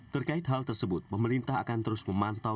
terkait hal tersebut pemerintah akan terus memantau